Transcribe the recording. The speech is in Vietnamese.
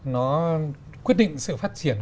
nó quyết định sự phát triển